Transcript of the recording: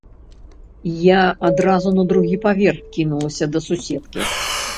Я адразу на другі паверх кінулася да суседкі.